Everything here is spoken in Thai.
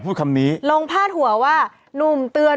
เป็นการกระตุ้นการไหลเวียนของเลือด